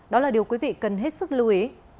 đó là điều quý vị cần hết sức lưu ý